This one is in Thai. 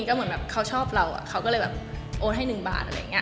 เขาชอบเราคือโอนให้หนึ่งบาท